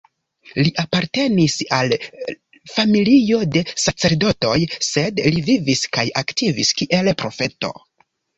Li apartenis al familio de sacerdotoj; sed li vivis kaj aktivis kiel profeto.